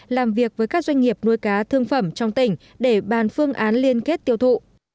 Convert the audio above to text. làm việc với các doanh nghiệp nuôi cá thương phẩm trong tỉnh để bàn phương án liên kết tiêu thụ